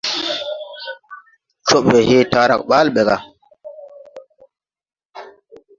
Cɔɓwɛ hee taarag ɓaale ɓɛ gà.